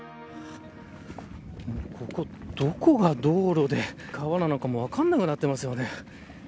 どこが道路で川なのか分からなくなっていますね。